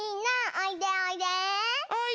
おいで。